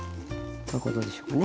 こういうことでしょうかね。